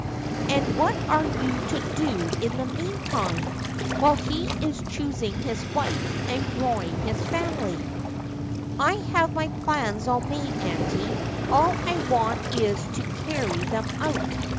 ' And what are you to do in the meantime, while he is choos ing his wife and growing his fan ily ?' 'I have my plans all made, auntie ; all I want is to carry them out.